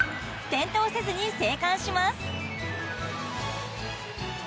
転倒せずに生還します。